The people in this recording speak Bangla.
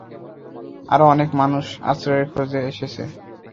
আরও অনেক মানুষ আশ্রয়ের খোঁজে এসেছে।